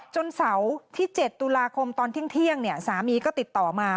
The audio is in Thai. เสาร์ที่๗ตุลาคมตอนเที่ยงสามีก็ติดต่อมา